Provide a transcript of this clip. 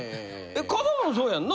風間もそうやんな？